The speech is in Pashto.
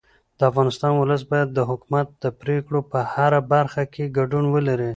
د افغانستان ولس باید د حکومت د پرېکړو په هره برخه کې ګډون ولري